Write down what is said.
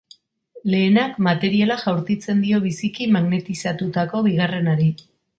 Lehenak materiala jaurtitzen dio biziki magnetizatutako bigarrenari.